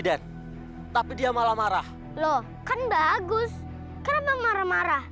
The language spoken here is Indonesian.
tetapi tentang korban pemerintah